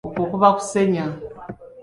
Okwo kuba okuseenya.